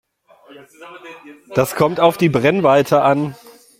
Das kommt auf die Brennweite an.